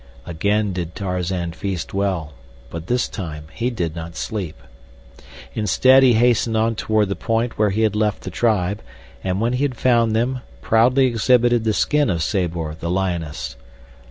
Again did Tarzan feast well, but this time he did not sleep. Instead, he hastened on toward the point where he had left the tribe, and when he had found them proudly exhibited the skin of Sabor, the lioness.